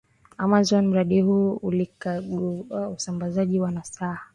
Amazon Mradi huu ulikagua usambazaji wa nasaba